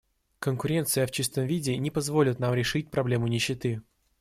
Конкуренция в чистом виде не позволит нам решить проблему нищеты.